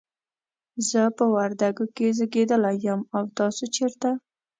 زه په وردګو کې زیږیدلی یم، او تاسو چیرته؟